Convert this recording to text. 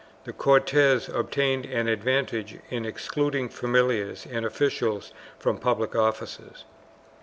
416) the Cortes obtained an advantage in excluding familiars and officials from public offices.